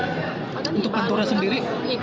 untuk pantura sendiri